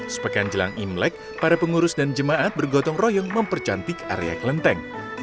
sepekan jelang imlek para pengurus dan jemaat bergotong royong mempercantik area kelenteng